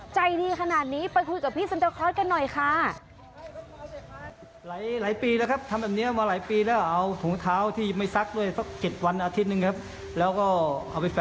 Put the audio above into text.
ใจดีขนาดนี้ไปคุยกับพี่ซันเตอร์คอร์สกันหน่อยค่ะ